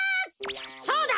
そうだ！